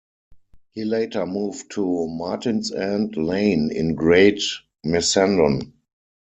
He later moved to Martinsend Lane in Great Missenden.